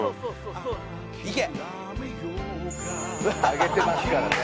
「あげてますからね」